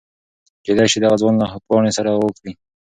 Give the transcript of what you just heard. کېدی شي دغه ځوان له پاڼې سره مرسته وکړي.